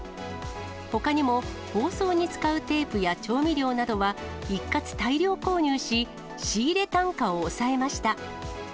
ほかにも、包装に使うテープや調味料などは、一括大量購入し、仕入れ単価を抑えました。